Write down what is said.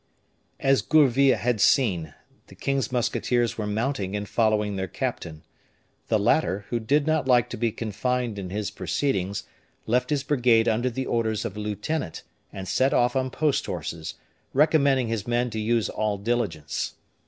As Gourville had seen, the king's musketeers were mounting and following their captain. The latter, who did not like to be confined in his proceedings, left his brigade under the orders of a lieutenant, and set off on post horses, recommending his men to use all diligence.